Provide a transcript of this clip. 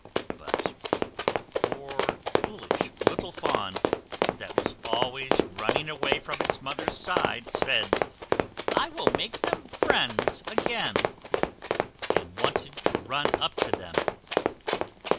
But a poor foolish little Fawn, that was always running away from its mother's side, said, "I will make them friends again;" and wanted to run up to them.